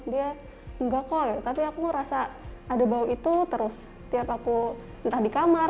dia enggak kok ya tapi aku ngerasa ada bau itu terus tiap aku entah di kamar